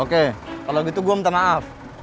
oke kalau gitu gue minta maaf